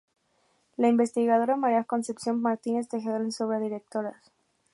La investigadora María Concepción Martínez Tejedor en su obra ""Directoras.